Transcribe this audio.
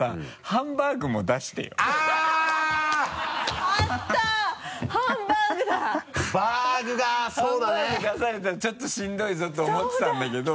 ハンバーグ出されたらちょっとしんどいぞと思ってたんだけど。